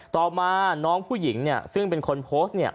ต่อมาน้องผู้หญิงเนี่ยซึ่งเป็นคนโพสต์เนี่ย